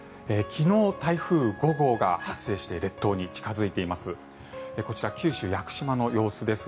昨日、台風５号が発生して列島に近付いています。